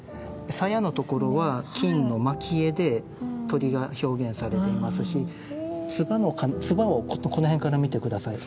鞘の所は金の蒔絵で鳥が表現されていますしつばをこの辺から見て下さい。